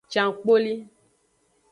Cankpoli.